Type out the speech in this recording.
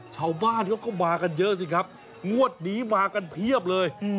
ชาวบ้านเขาก็มากันเยอะสิครับงวดนี้มากันเพียบเลย